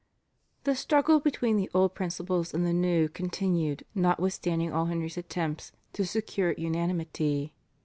The struggle between the old principles and the new continued, notwithstanding all Henry's attempts to secure unanimity.